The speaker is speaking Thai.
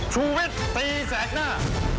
ชูเวทตีแสดหน้า